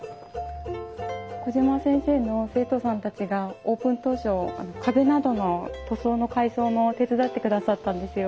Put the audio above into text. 小島先生の生徒さんたちがオープン当初壁などの塗装の改装も手伝ってくださったんですよ。